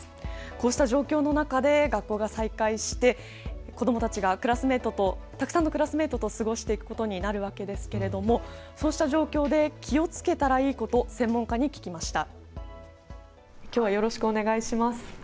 こうした状況の中で学校が再開して子どもたちがたくさんのクラスメートと過ごしていくことになるわけですけれどもそうした状況で気をつけたらいいこと専門家に聞きました。